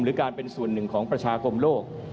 หรือการเป็นส่วนหนึ่งของประชาคมโลก